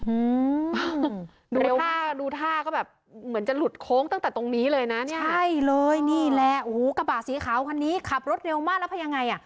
อืมดูท่าดูท่าก็แบบเหมือนจะหลุดโค้งตั้งแต่ตรงนี้เลยนะเนี่ยใช่เลยนี่แหละโอ้โหกระบะสีขาวคันนี้ขับรถเร็วมากแล้วไปยังไงอ่ะ